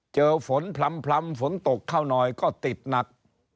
เจอฝนพลำฝนตกเข้าหน่อยก็ติดหนัก